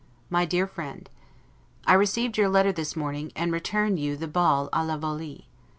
MY DEAR FRIEND: I received your letter this morning, and return you the ball 'a la volee'.